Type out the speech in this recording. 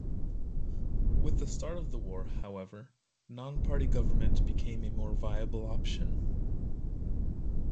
With the start of the war, however, "non-party" government became a more viable option.